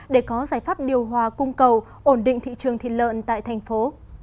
để có giải pháp điều hòa cung cầu ổn định thị trường thịt lợn tại thành phố